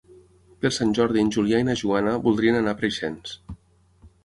Per Sant Jordi en Julià i na Joana voldrien anar a Preixens.